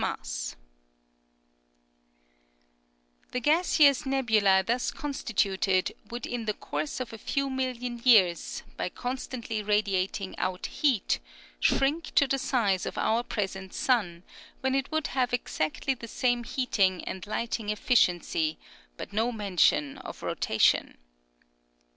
no Publications of the '' The gaseous nebula thus constituted would in the course of a few million years, by constantly radiating out heat, shrink to the size of our present sun, when it would have exactly the same heating and lighting efficiency, but no motion of rotation.